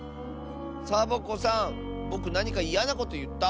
サボ子さんぼくなにかいやなこといった？